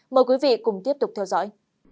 mời quý vị cùng tiếp tục theo dõi